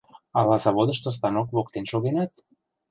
Ала заводышто станок воктен шогенат?